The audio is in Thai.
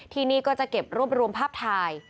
ที่นี่ก็จะเก็บรวบรวมภาพถ่าย